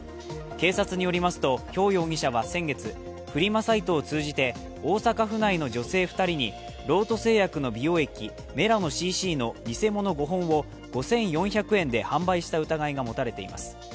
警察によりますと、ヒョウ容疑者は先月、フリマサイトを通じて大阪府内の女性２人にロート製薬の美容液メラノＣＣ．の偽物５本を５４００円で販売した疑いが持たれています。